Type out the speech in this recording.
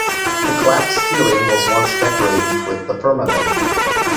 The collapsed ceiling was once decorated with the firmament.